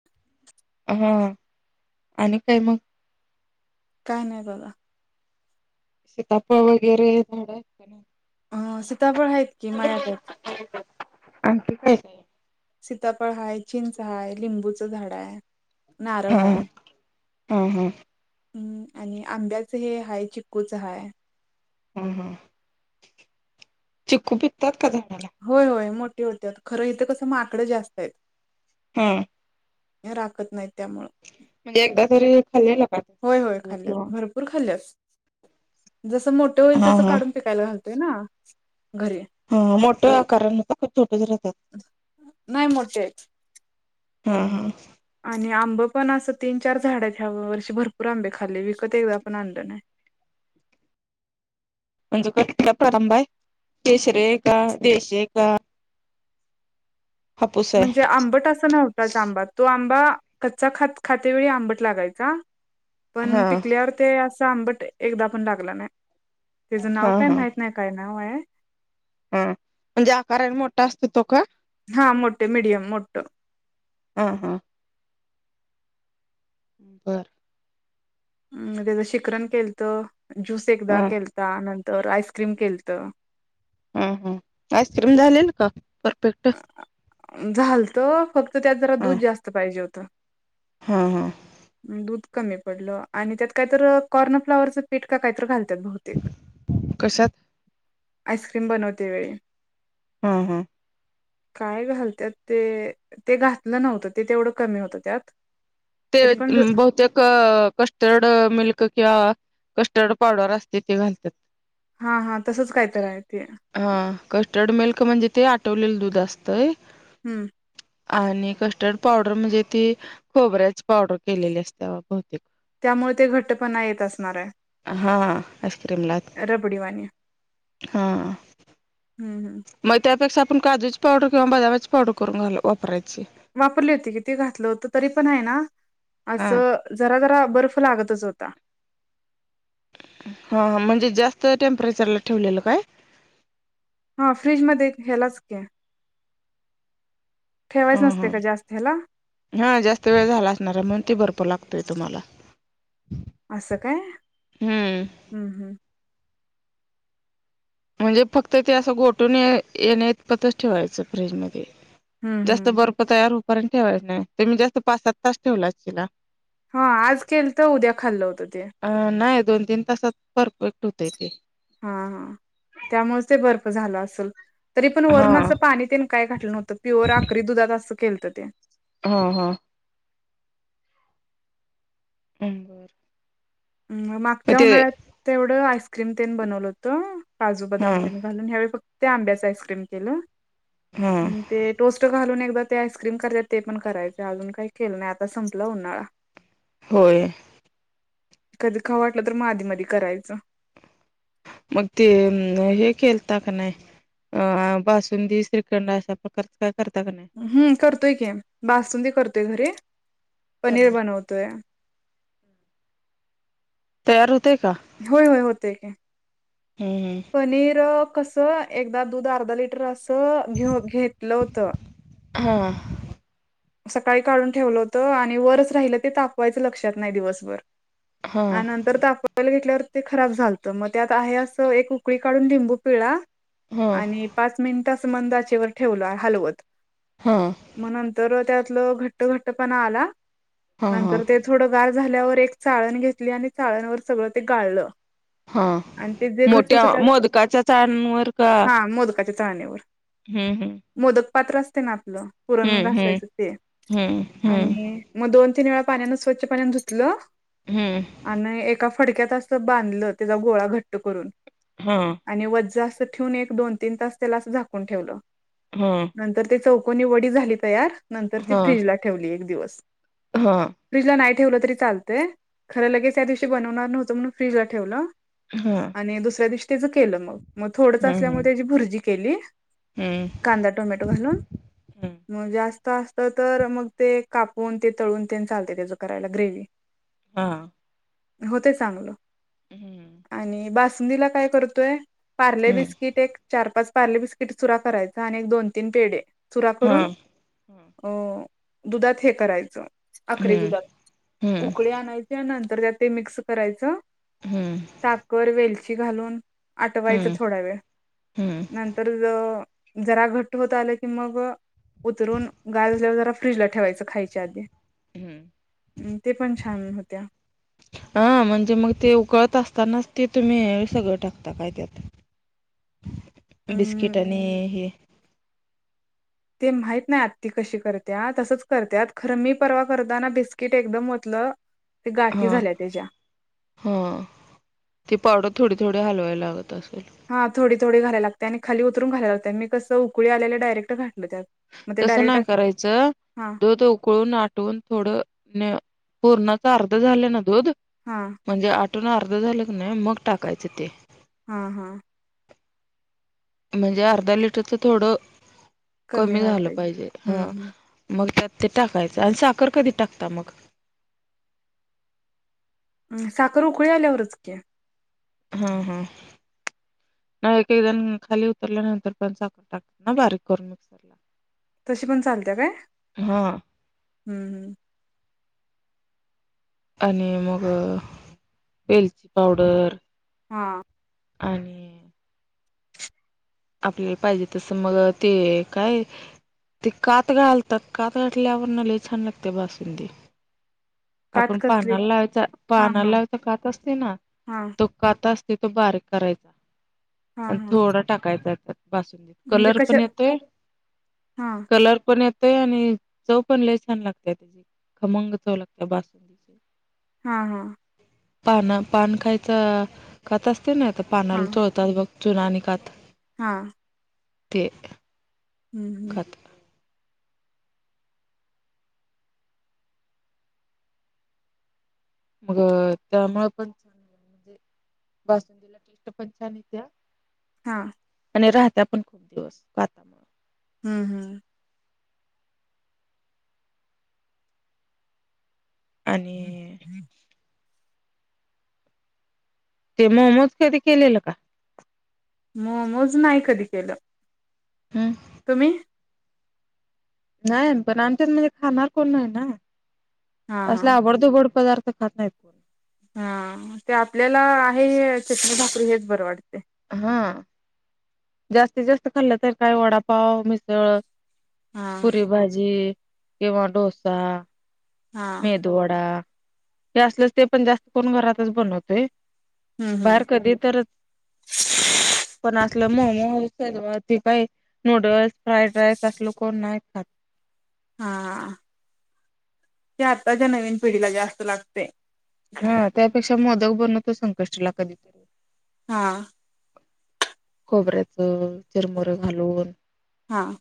[inaudible] हा आणि काय मग काय नाही बघा सीताफळ वगैरे झाड अ सीताफळ आहेत की माळ्यात आहेत आणख का सीतापळ हाय चिंच हाय लिंबूचं झाड आहे नारळ हा हाय हा हा हम्म आणि आंब्याच हे हाय चिकूच हाय हम हम चिक्कू पिकतात का झाडला होय होय मोठे होते खरं इथे कसं माकडं जास्त आहेत हा राखत नाहीत त्यामुळं म्हणजे एकदा तरी खाल्लेलं का त्याचा होय होय चिक्कू खाल्ल्या किंवा भरपूर खाल्ल्यास जस मोठे होईल हा तस हा काढून शिकायला घालतोय ना घरी हा मोठं कारण होत खूप छोट ज राहतात नाही मोठे हां हा आणि आंब पण असं तीन चार झाड आहेत ह्या वर्षी भरपूर आंबे खाल्ली विकत एकदा पण आणलं नाही म्हणजे कटला प्रारंभ आहे केशरी आहे का देशी आहे का हापूस आहे? म्हणजे आंबट असं नव्हताच आंबा तो आंबा कच्चा खात खाते वळी आंबट लागायचा हा पण पिकल्यावर ते असं आंबट एकदा पण लागला नाही तेज हा नाव काय हा माहित नाही काय नाव आहे हा म्हणजे आकारान मोठा असतो तो का हा मोठे मीडियम मोठ हां हां बरं अ त्याचं शिखरन केलत ज्यूस एकदा हा केलता नंतर आईस्क्रीम केलत हम ह आइस्क्रीम झालेल का परफेक्ट झालत फक्त त्यात जरा हा दूध जास्त पाहिजे होतं हा हा दूध कमी पडलं आणि त्यात कायत कॉर्नफ्लाॉवरचं पीठ काय कायतर घालतात बहू कशात? आईस्क्रीम बनवते वेळी हम हम काय घालतत ते ते घातलं नव्हतं ते तेवढं कमी होतं त्यात ते तरी पण बहुतेक कस्टर्ड मिल्क किंवा कस्टर्ड पावडर असते ते घालतात हा हा तसंच काय तर आहे ते हा कस्टर्ड मिल्क म्हणजे ते आठवलेलं दूध असतंय हम्म आणि कस्टर्ड पावडर म्हणजे ती खोबऱ्या पावडर केलेली असते बहुतेक त्यामुळे ते घट्टपणा येत असणार हा आईस्क्रीमला आहे रबडीवानी हा हम् हम् मग त्यापेक्षा आपण काजूची पावडर किंवा बदाममाची पावडर करून घाल वापरायची वापरली होती की. ती घातलं होत तरी पण आहे ना हा असं जरा-जरा बर्फ लागतच होता. हा हा म्हणजे जास्त टेम्परेचरला ठेवलेलं काय हा फ्रीज मध्ये हेलाच की. हा ठेवायच नसतय हा. काय जास्त हेला? हा जास्त वेळ झाला असणार आहे, म्हणून तो बर्फ लागतोय तुम्हाला. असं काय? हम्म. हम् हम्. म्हणजे फक्त ते असं गोटून येण्या इतपतच ठेवायचं फ्रीजमध्ये. हम्म जास्त हम्म बर्फ तयार होईपर्यंत ठेवायच नाही. तूमी जास्त पाच, सात तास ठेवला असचीला? हा आज केलत. उद्या खाल्लं होतं ते. अ नाही. दोन, तीन तासात परफेक्ट होतय ते. हा हा. त्यामुळच ते बर्फ झाल असल. तरी पण हा वरुण पाणी त्याने काय घाटलं नव्हतं. प्युअर आकरी दुधात असं केलतं ते. हा हा. हम बरं. उम म मागच्या उन्हाळ्यात तेवढं आईस्क्रीम तेन बनवलं होतं. काजू हा बदाम तेन घालून. यावेळी फक्त आंब्याचा आईसक्रीम केलं हा ते टोस्ट घालून एकदा ते आईस्क्रीम करत्यात ते पण करायच. अजून काय केलं नाही. आता संपलं उन्हाळा. होय. कधी खाऊ वाटलं तर म आधी मधी करायचं. मग ते हे केलता का नाही? अ बासुंदी, श्रीखंड अशा प्रकारच काय करता का नाही? हम्म करतोय की, बासूनंदी करतोय घरी, पनीर बनवतोय. तयार होतय का? होय-होय होतय की. हम्म पनीर कस अ एकदा दूध अर्धा लिटर असं घेऊ घेतलं होतं. हा. सकाळी काढून ठेवलं होत आणि वरच राहिलं ते तापवायचं लक्षात नाही दिवसभर. हा आणि नंतर ताप यला घेतल्यावर ते खराब झालतं. मग त्यात आहे असं एक उकळी काढून लिंबू पिळला. हा. आणि पाच मिनिटास मंदाचेवर ठेवल हलवत. हम्म. मग नंतर त्यातलं घट्ट-घट्ट पणा आला हा नंतर थोडं गार झाल्यावर एक चाळण घेतली आणि चाळणवर सगळं ते गाळलं. हा आणि ते जे घट होत मोठ्या त्यात मोदकाच्या चाळणीवर हा मोदकाच्या चाळणीवर. हम् हम्. मोदक पात्र असते ना आपलं पुरण हम्म घसायचं ते हम्म आणि मग दोन तीन वेळा पाण्यानं स्वच्छ पाण्यान धुतलं. हम्म. आणि एका फडक्यात अस बांधलं. त्याचा गोळा घट्ट करून. हम्म. आणि वज्ज असं ठेवून एक, दोन, तीन तास त्याला असं झाकून ठेवलं. हम्म. नंतर ते चौकोनी वडी झाली तयार, नंतर ती फ्रीजला ठेवली एक दिवस. हम्म. फ्रीजला नाही ठेवलं तरी चालतय. खरं लगेच त्या दिवशी बनवणार नव्हतं म्हणून फ्रीजला ठेवलं. हम्म. आणि दुसऱ्या दिवशी त्याचं केलं मग मग थोडच हम्म असल्यामुळे त्याची भुर्जी केली. हम्म. कांदा, टोमॅटो घालून म जास्त असत तर मग ते कापून ते तळून ते चालते त्याच करायला ग्रेवी. हा. हो ते चांगलं हम्म आणि बासुंदीला काय करतोय? पार्ले हम्म बिस्किट एक चार- पाच पार्ले बिस्किट चुरा करायचा आणि एक दोन तीन पेढे चुरा हा करून अ दुधात हे करायचं आकडी हम्म दुधात हम्म हम्म उकळी आणायच. त्यानंतर त्या ते मिक्स करायचं. हम्म. साखर वेलची घालून आटवायचं थोड्या वेळ हम्म नंतर तर जरा घट्ट होत आलं की मग‌ उतरून गाजल्यावर जरा फ्रीजला ठेवायचं खायच्या आधी. हम्म म् ते पण छान होत्या. हा म्हणजे मग ते उकळत असताना ते तुम्ही हे सगळं टाकता काय त्यात? अम् बिस्किट आणि हे ते माहीत नाही आत् त कशी करते? तसच करते खरं मी परवा करताना बिस्किट एकदम ओतलं. ते गाठी हा झाल्या त्याच्या हा ती पावडर थोडी थोडी हलवायला लागत असेल. हां थोडी थोडी घालायला लागते आणि खाली उतरून घालायला लागत मी कसं उकळी आल्या डायरेट घाातल त्यात मग ते तसं डायरेक्ट नाही अस करायचं हा दूध उकळून आटवून थोड पूर्णच अर्ध झाले ना दूध हा म्हणजे आटून अर्ध झालं की नाही मग टाकायचं ते. हा हा. म्हणजे अर्धा लिटरच थोडं कमी झालं पाहिजे हा. मग त्यात ते टाकायचं आणि साखर कधी टाकता मग. साखर उकळी आल्यावरच क्या. हम् हम्. न का एकन खाली उतर्रला नंत बण साकटात ना बारीक कोर मिक्सर ला. तशी पण चालत्या काय हा हम्म ह्. आणि मग वेलची पावडर. हा. आणि. आपल्याला पाहिजे तस मग ते काय? ते कात घालतात काात गाठल्यावर ना ल छान लागते बासुंदी. कात आपण कसली पानाला लायच हा पाना हा लावायच खात असते ना हा त. कात असते तो बारीक करायचा हा आणि हा थोडा टाकायचा बासून. म्हणजे कलर कशा पण येतय हा कलर पण येतय आणि. चव पण लय छान लागते त्याची खमंग चव लागते बासुंदीची. हा हा. पाना पान खायचं खात असते ना आता हा पानाला तळतात बघ. चुननी कात. हा. ते हम्म हम्म कात. मग त्यामुळे पण. बासुंदला टेष्ट पंचनीत्या हा. आणि राहत्या पण खूप दिवसाता हम्म हम्म. हम्म आणि हम्म. ते मोमज कधी केलेलं का. म मोज नाही कधी केलं. हम. तुम्ही. नाही पण आमच्या म्हणजे खाणार कोण नाही ना हा हा असल्या आवडदुबड पदार्थ. खात नाही. हा ते आपल्याला आहे चित्र ठाकरी हेच बरं वाटते. हा जास्तीत जास्त खाल्लं तर काय वडापाव मिसळ हा पुरी भाजी किंवा डोसा हा ोडा हे असलच ते पण जास्त करून घरातच बनवत हम्म हम्म बाहेर कधी तरच पण असलं मोमो ते काही नूडल्स फ्राईड राईस असल कोण नाही खात हा. ते आताच्या नवीन पिढीला जास्त लागते. हा त्यापेक्षा मोदक बनण तो संकष्टला कधी. हा. खोबऱ्याच चिरमुरं घालून. हां.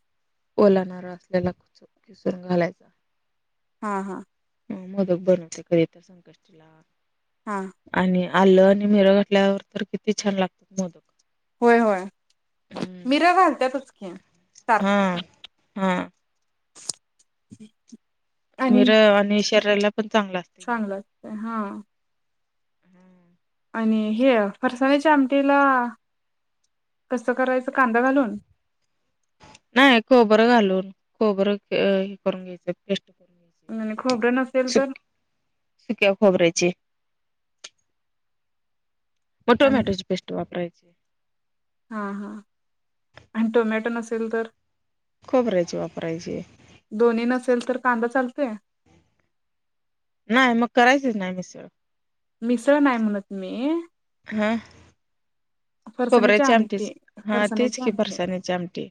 ओलाणारा असलेला कुच किसून घालायचा. हा हा. मोदक बनवते कधी तर संकष्टीला. हां. आणि आलं आणि मर घटल्यावर तर किती छान लागतात मोदक. होय होय मिरा घालत तुचके. हम. हा. ह मीर आणि शरयला पण चांगला असत चांगलं असतय हा हम्म आणि हे फरसाण्याच्या आमटीला कसं करायचं कांदा घालून नाही कोबरं घालून कोबरं हे करून घ्यायचं आणि खोबरं नसेल तर सुक्या खोबरा्यायचे मग आणि टोमॅटोची पेस्ट वापरायची हा हा आणि टोमॅटो नसेल तर खोबरायची वापरायची दोन्ही नसेल तर कांदा चालतोय नाही मग करायचच नाही मिस सगळ मिस्र नाही म्हणत मी हा फरसाण्याची खोबऱ्याचे आमटी हा तेच फरसाण्याची की आमटी फरसाण्याचे आमटे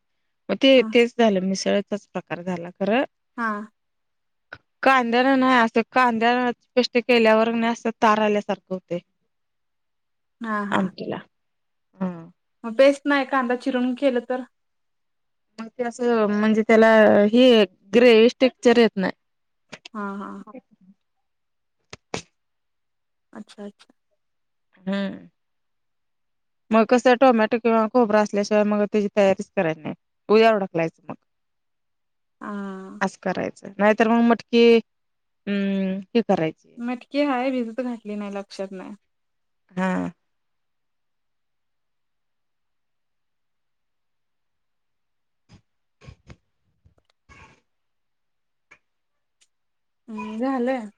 मग ते हा तेच झालं मिसळचाच प्रकार झाला खरं हां [inaudible] कांद्यान नाही असं कांद्या पेष्ट केल्यावर नाही असं तार आल्यासारखं होते [inaudible] हा हा आमटीला हां. मग पेस्ट नाही कांदा चिरून केलं तर मग ते असं म्हणजे त्याला ह ग्रेविस्ेक्चर येत नाही हा हा अच्छा अच्ा हम्म मग कसं टोमॅटो किंवा खोबरा असल्याशिवाय मग त्याची तयारीच कराय नाही उद्या डकलायचं मग ह असं करायचं नाहीतर मग म्हट कि अम् हे करायच मटकी हाय भिजत घातली नाही लक्षात नाही हा हम्म झालं